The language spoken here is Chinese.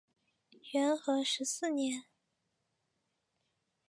元和十四年。